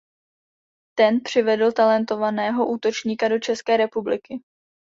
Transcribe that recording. Ten přivedl talentovaného útočníka do České republiky.